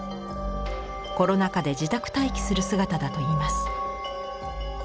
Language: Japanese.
コロナ禍で自宅待機する姿だといいます。